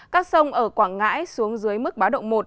các sông ở quảng ngãi xuống dưới mức báo động một